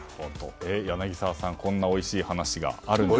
柳澤さん、こんなおいしい話があるんですね。